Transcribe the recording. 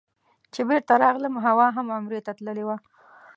چې بېرته راغلم حوا هم عمرې ته تللې وه.